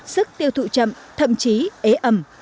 sức tiêu thụ chậm thậm chí ế ẩm